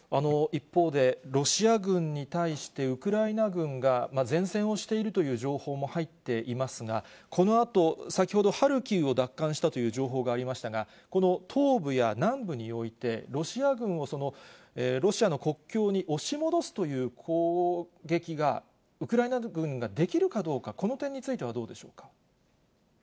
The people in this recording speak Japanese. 一方で、ロシア軍に対して、ウクライナ軍が善戦をしているという情報も入っていますが、このあと、先ほどハルキウを奪還したという情報がありましたが、この東部や南部において、ロシア軍をロシアの国境に押し戻すという攻撃が、ウクライナ軍ができるかどうか、この点についてはどうでしょうか。